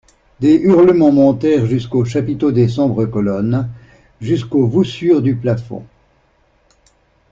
Des hurlements montèrent jusqu'aux chapiteaux des sombres colonnes, jusqu'aux voussures du plafond.